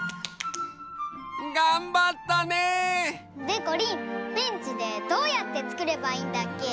がんばったね！でこりんペンチでどうやってつくればいいんだっけ？